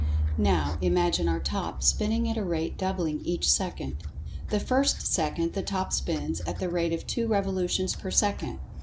Now, imagine our Top spinning at a rate doubling each second. The first second the Top spins at the rate of two revolutions per second.